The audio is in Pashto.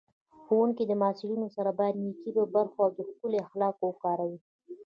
ښوونکی د محصلینو سره باید نېک برخورد او ښکلي اخلاق وکاروي